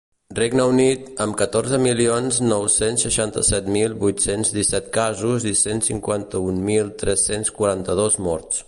Regne Unit, amb catorze milions nou-cents seixanta-set mil vuit-cents disset casos i cent cinquanta-un mil tres-cents quaranta-dos morts.